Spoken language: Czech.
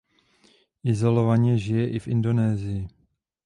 Izolovaně žije i v Indonésii.